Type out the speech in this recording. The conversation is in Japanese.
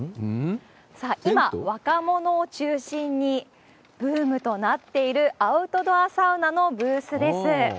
さあ、今、若者を中心にブームとなっているアウトドアサウナのブースです。